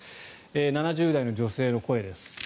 ７０代の女性の声です。